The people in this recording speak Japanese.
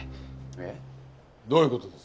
えっ？どういう事です？